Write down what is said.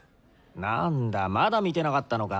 なんだまだ見てなかったのか？